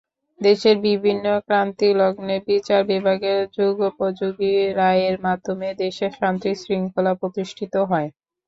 দেশের বিভিন্ন ক্রান্তিলগ্নে বিচার বিভাগের যুগোপযোগী রায়ের মাধ্যমে দেশে শান্তিশৃঙ্খলা প্রতিষ্ঠিত হয়।